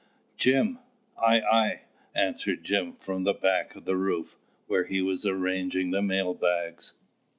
"Jim!" "Ay, ay!" answered Jim, from the back of the roof, where he was arranging the mail bags.